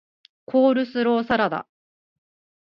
コールスローサラダ